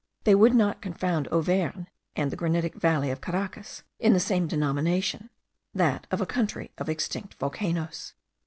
They would not confound Auvergne and the granitic valley of Caracas in the same denomination; that of a country of extinct volcanoes.